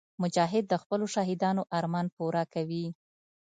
مجاهد د خپلو شهیدانو ارمان پوره کوي.